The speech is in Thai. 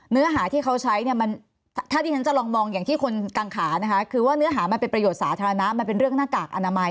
เนื้อหาที่เขาใช้เนี่ยมันถ้าที่ฉันจะลองมองอย่างที่คนกังขานะคะคือว่าเนื้อหามันเป็นประโยชน์สาธารณะมันเป็นเรื่องหน้ากากอนามัย